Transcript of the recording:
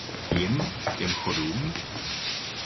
Jim, těm Chodům?!